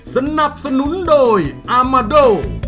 สนับสนุนโดยอามาโด